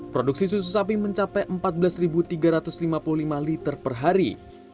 produksi susu sapi mencapai empat belas tiga ratus lima puluh lima liter per hari